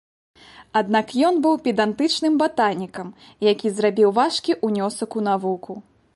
Аднак ён быў педантычным батанікам, які зрабіў важкі ўнёсак у навуку.